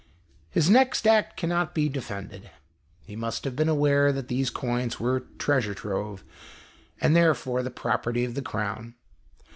His next act cannot be defended. He must have been aware that these coins were " treasure trove," and therefore the property of the Crown.